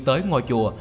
tới ngôi chùa